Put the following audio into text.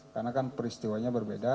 karena kan peristiwanya berbeda